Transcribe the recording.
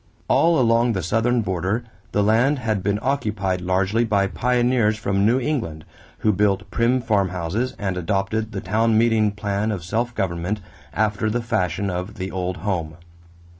All along the southern border the land had been occupied largely by pioneers from New England, who built prim farmhouses and adopted the town meeting plan of self government after the fashion of the old home.